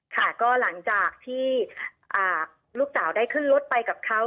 ค่ะก็หลังจากที่ลูกสาวได้ขึ้นรถไปกับเขา